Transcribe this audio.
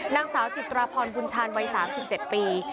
นางสาวจิตราพรบุญชาญวัย๓๗ปี